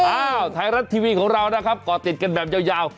อ้าวไทยรัฐทีวีของเรานะครับก่อติดกันแบบยาว